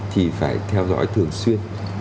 thì phải theo dõi thường xuyên